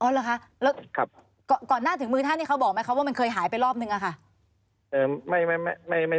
เหรอคะแล้วก่อนหน้าถึงมือท่านนี้เขาบอกไหมคะว่ามันเคยหายไปรอบนึงอะค่ะ